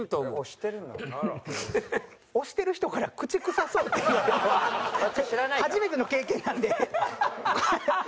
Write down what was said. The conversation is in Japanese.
推してる人から口臭そうって言われるのは初めての経験なんで。